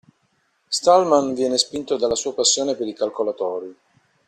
Stallman viene spinto dalla sua passione per i calcolatori.